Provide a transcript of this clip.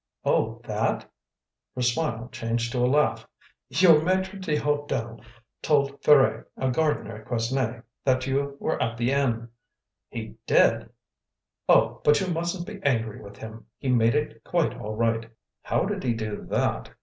"Oh, that?" Her smile changed to a laugh. "Your maitre d'hotel told Ferret, a gardener at Quesnay, that you were at the inn." "He did!" "Oh, but you mustn't be angry with him; he made it quite all right." "How did he do that?"